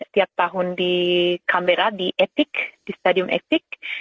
tiap tahun di canberra di etik di stadium etik